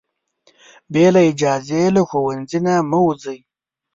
بې له اجازې له ښوونځي نه مه وځئ.